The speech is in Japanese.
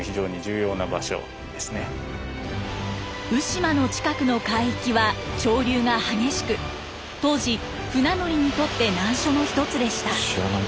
鵜島の近くの海域は潮流が激しく当時船乗りにとって難所の一つでした。